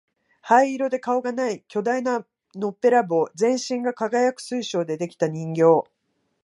灰色で顔がない巨大なのっぺらぼう、全身が輝く水晶で出来た人形、